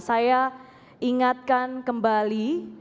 saya ingatkan kembali